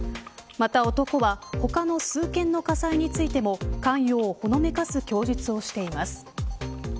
また、男は他の数件の火災についても関与をほのめかす供述をしています。